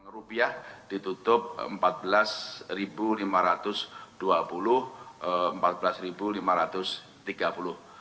rp ditutup rp empat belas lima ratus dua puluh rp empat belas lima ratus tiga puluh